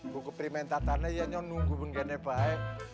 buku pimentatannya ini nunggu ini baik